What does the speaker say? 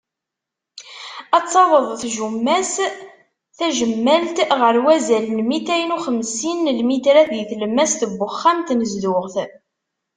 Ad taweḍ tjumma-s tajemmalt ɣer wazal n mitayen uxemsin n lmitrat di tlemmast n uxxam n tnezduɣt.